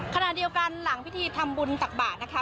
ขณะเดียวกันหลังพิธีทำบุญตักบาทนะคะ